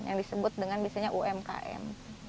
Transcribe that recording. yang disebut dengan biasanya umkm